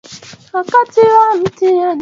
Wakati wa mtihani unakaribia kuisha